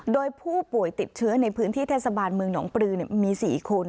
โดยผู้ป่วยติดเชื้อในพื้นที่เทศบาลเมืองหนองปลือมี๔คน